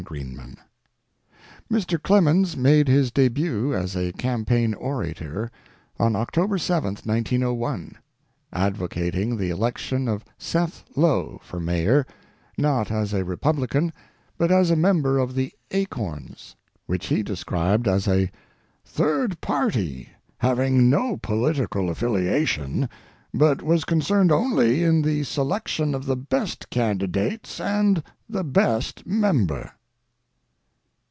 TAMMANY AND CROKER Mr. Clemens made his debut as a campaign orator on October 7, 1901, advocating the election of Seth Low for Mayor, not as a Republican, but as a member of the "Acorns," which he described as a "third party having no political affiliation, but was concerned only in the selection of the best candidates and the best member."